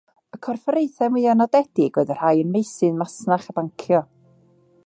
Y corfforaethau mwyaf nodedig oedd y rhai ym meysydd masnach a bancio.